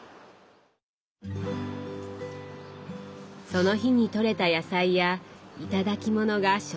その日にとれた野菜や頂き物が食卓にのぼる。